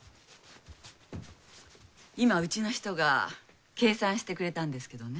今うちの人が計算してくれたんですけどね。